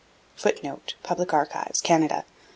[Footnote: Public Archives, Canada.